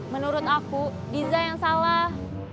menurut aku bisa yang salah